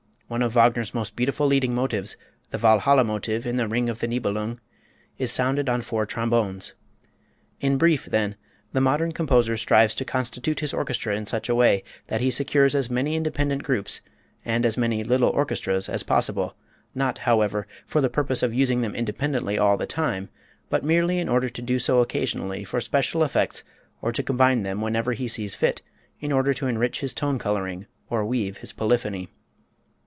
One of Wagner's most beautiful leading motives, the Walhalla Motive in the "Ring of the Nibelung," is sounded on four trombones. In brief, then, the modern composer strives to constitute his orchestra in such a way that he secures as many independent groups, and as many little orchestras, as possible, not, however, for the purpose of using them independently all the time, but merely in order to do so occasionally for special effects or to combine them whenever he sees fit in order to enrich his tone coloring or weave his polyphony.